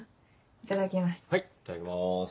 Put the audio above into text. いただきます。